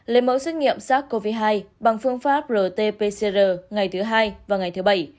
lên mẫu xét nghiệm sát covid hai bằng phương pháp rt pcr ngày thứ hai và ngày thứ bảy